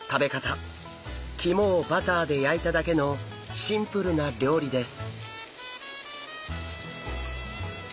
肝をバターで焼いただけのシンプルな料理です。